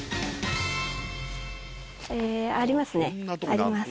あります。